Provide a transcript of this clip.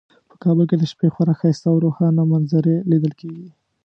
په کابل کې د شپې خورا ښایسته او روښانه منظرې لیدل کیږي